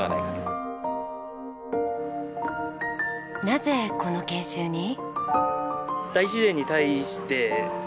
なぜこの研修に？